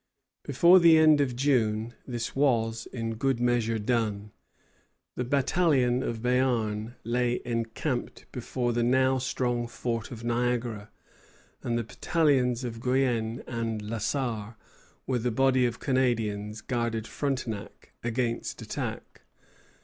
Before the end of June this was in good measure done. The battalion of Béarn lay encamped before the now strong fort of Niagara, and the battalions of Guienne and La Sarre, with a body of Canadians, guarded Frontenac against attack.